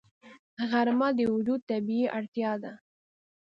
غرمه د وجود طبیعي اړتیا ده